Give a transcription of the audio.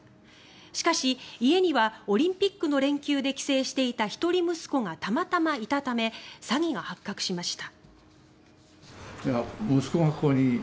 しかし、家にはオリンピックの連休で帰省していた一人息子がたまたまいたため詐欺が発覚しました。